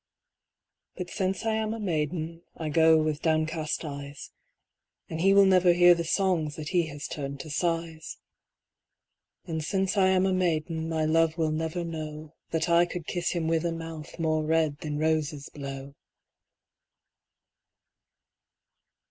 But since I am a maiden I go with downcast eyes, And he will never hear the songs That he has turned to sighs. And since I am a maiden My love will never know That I could kiss him with a mouth More red than roses blow.